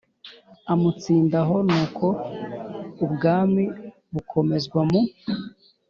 amutsinda aho Nuko ubwami bukomezwa mu